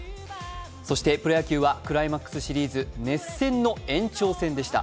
そして、プロ野球はクライマックスシリーズ熱戦の延長戦でした。